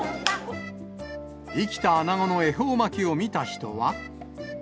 生きたアナゴの恵方巻きを見